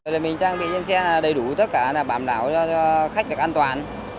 rồi mình trang bị trên xe là đầy đủ tất cả bảm đảo cho khách được an toàn